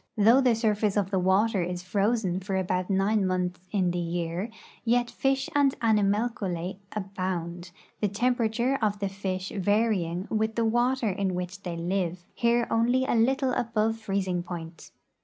Though the surface of the water is frozen for about nine months in the year, }'^et fish and animalculse abound, the temperature of the fish varying with the water in which they live, here only a little above the freezing point.